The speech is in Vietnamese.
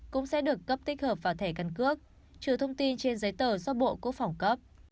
cũng sẽ được cấp tích hợp vào thẻ căn cước trừ thông tin trên giấy tờ do bộ quốc phòng cấp